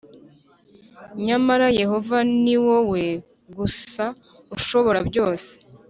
Nyamara Yehova ni wowe gusa ushobora byose